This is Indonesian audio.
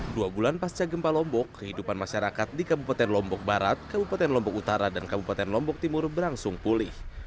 dua bulan pasca gempa lombok kehidupan masyarakat di kabupaten lombok barat kabupaten lombok utara dan kabupaten lombok timur berangsung pulih